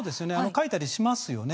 書いたりしますよね。